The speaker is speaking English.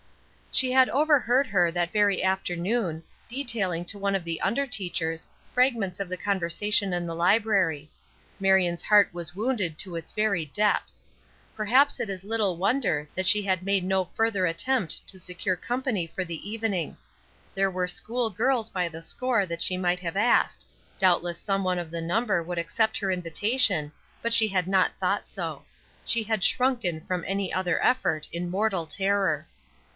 She had overheard her, that very afternoon, detailing to one of the under teachers, fragments of the conversation in the library. Marion's heart was wounded to its very depths. Perhaps it is little wonder that she had made no other attempt to secure company for the evening. There were school girls by the score that she might have asked; doubtless some one of the number would accept her invitation, but she had not thought so. She had shrunken from any other effort, in mortal terror.